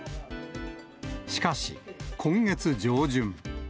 しかし、今月上旬。